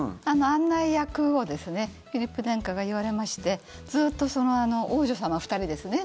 案内役をフィリップ殿下が言われましてずっと王女様２人ですね